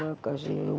terima kasih om